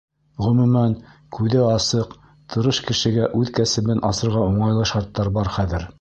Ғөмүмән, күҙе асыҡ, тырыш кешегә үҙ кәсебен асырға уңайлы шарттар бар хәҙер.